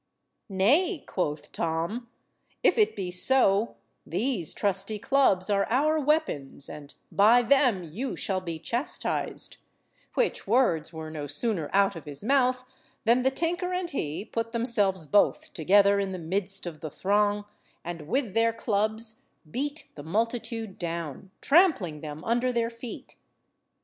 "Nay," quoth Tom, "if it be so, these trusty clubs are our weapons, and by them you shall be chastised," which words were no sooner out of his mouth than the tinker and he put themselves both together in the midst of the throng, and with their clubs beat the multitude down, trampling them under their feet.